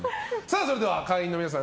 それでは会員の皆さん